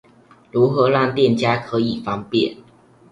如何讓店家可以方便